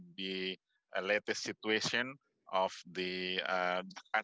koneksi masih berlangsung